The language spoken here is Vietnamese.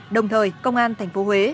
đồng thời công an thành phố huế